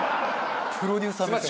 プロデューサー目線。